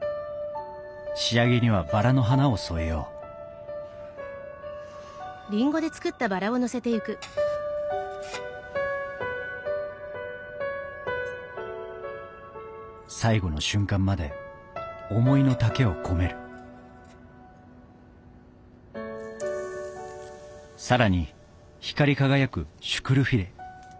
仕上げにはバラの花を添えよう最後の瞬間まで思いの丈を込めるさらに光り輝くシュクル・フィレ。